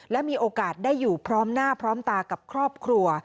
และมีโอกาสได้อยู่พร้อมหน้าพร้อมตากับครอบครัว